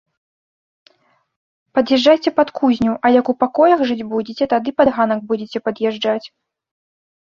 Пад'язджайце пад кузню, а як у пакоях жыць будзеце, тады пад ганак будзеце пад'язджаць.